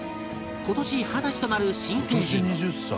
今年二十歳となる新成人